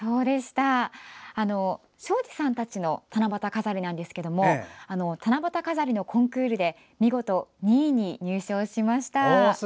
庄司さんたちの七夕飾りなんですけども七夕飾りのコンクールで見事２位に入賞しました。